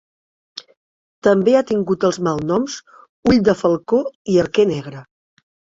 També ha tingut els malnoms "Ull de falcó" i "Arquer negre".